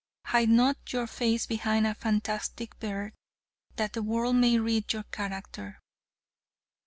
Hide not your face behind a fantastic beard, that the world may read your character.